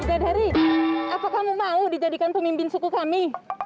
ida dari apa kamu mau dijadikan pemimpin suku kami